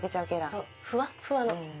そうふわっふわの。